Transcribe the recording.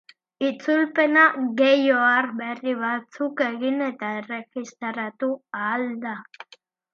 Itzulpena gehi ohar berri batzuk egin eta erregistratu ahal da.